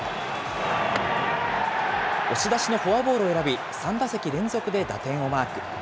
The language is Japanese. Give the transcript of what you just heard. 押し出しのフォアボールを選び、３打席連続で打点をマーク。